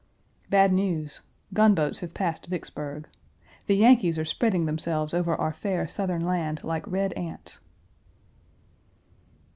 Bad news. Gunboats have passed Vicksburg. The Yankees are spreading themselves over our fair Southern land like red ants.